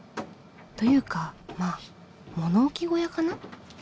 というかまあ物置小屋かな？